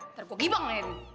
ntar gue gibeng